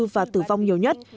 và tử vong nhiều nhất